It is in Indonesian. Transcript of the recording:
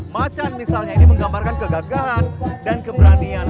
macan misalnya ini menggambarkan kegagalan dan keberanian